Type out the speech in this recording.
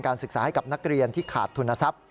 ศึกษาให้กับนักเรียนที่ขาดทุนทรัพย